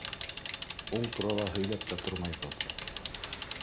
— Ул турала һөйләп тә тормайбыҙ.